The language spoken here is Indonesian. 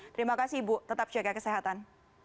terima kasih ibu tetap jaga kesehatan